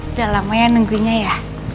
udah lama ya nunggunya ya